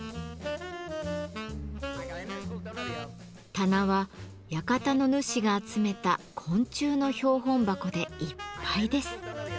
棚は館の主が集めた昆虫の標本箱でいっぱいです。